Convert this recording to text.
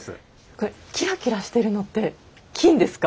これキラキラしてるのって金ですか？